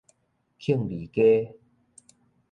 慶利街